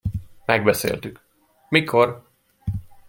Megbeszéltük, mikor?